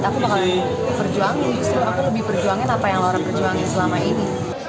perjuangan selama ini